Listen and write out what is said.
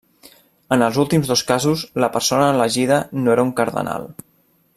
En els últims dos casos, la persona elegida no era un cardenal.